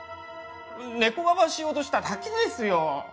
ネコババしようとしただけですよ。